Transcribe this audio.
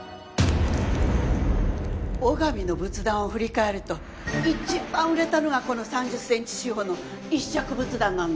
尾上の仏壇を振り返ると一番売れたのがこの３０ｃｍ四方の１尺仏壇なんだわ。